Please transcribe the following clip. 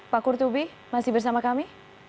pak kurtubi masih bersama kami